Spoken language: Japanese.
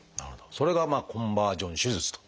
それがコンバージョン手術と。